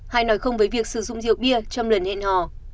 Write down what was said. hay nói không với việc sử dụng rượu bia trong lần hẹn hò